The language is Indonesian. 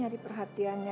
terima kasih ya umi